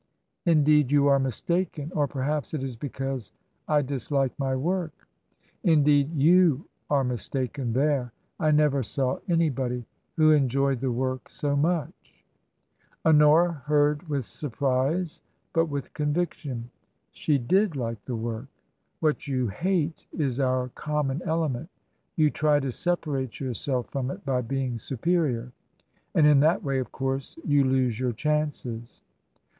Indeed, you are mistaken ! Or perhaps it is because I dislike my work." " Indeed, j^« are mistaken there. I never saw any body who enjoyed the work so much." a it TPANSITION. 8i Honora heard with surprise, but with conviction. She did like the work. " What you hate is our common element. You try to separate yourself from it by being superior. And in that way, of course, you lose your chances."